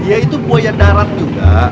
ya itu buaya darat juga